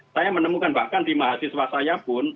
saya menemukan bahkan di mahasiswa saya pun